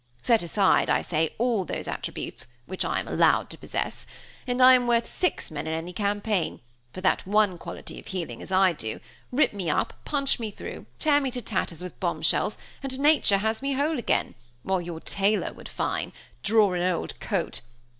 Set aside, I say, all those attributes, which I am allowed to possess, and I am worth six men in any campaign, for that one quality of healing as I do rip me up, punch me through, tear me to tatters with bomb shells, and nature has me whole again, while your tailor would fine draw an old coat.